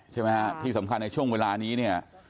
ใช่ไหมครับที่สำคัญในช่วงเวลานี้